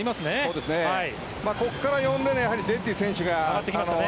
ここから４レーンのデッティ選手が上がってきますね。